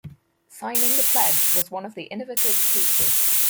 "Signing the pledge" was one of the innovative features.